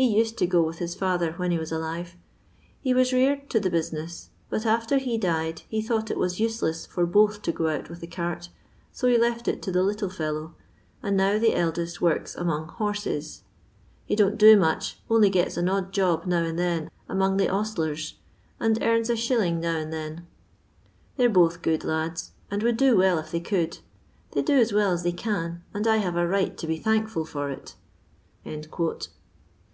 He used to go with his fiuher when he was alive ; he vras reared to the bnsinesi^ but after he died he thought it was useless ibr both to go out with the cart, so he left it to the little fellow, and now the eldest works among horsea He don't do much, only gets an odd job now and then among the ostlers, and earns a shilling now and then. They 're both good lads, and would do well if they could ; they do as well as they cao, and I have a right to be thankful for it."